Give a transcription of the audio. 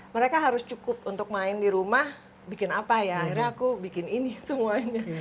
mereka harus cukup untuk main di rumah bikin apa ya akhirnya aku bikin ini semuanya